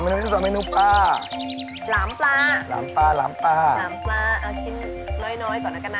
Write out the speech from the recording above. น้ำพริกสองเมนูป้าหลามปลาหลามปลาหลามปลาหลามปลาเอาชิ้นน้อยน้อยก่อนแล้วกันนะ